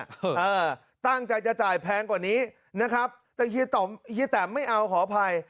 เออตั้งใจจะจ่ายแพงกว่านี้นะครับแต่เฮียต่อมเฮียแตมไม่เอาขออภัย